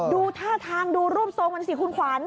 ดูท่าทางดูรูปทรงมันสิคุณขวัญ